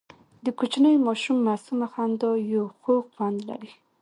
د کوچني ماشوم معصومه خندا یو خوږ خوند لري.